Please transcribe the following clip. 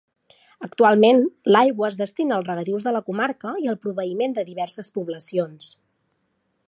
Actualment l'aigua es destina als regadius de la comarca i al proveïment de diverses poblacions.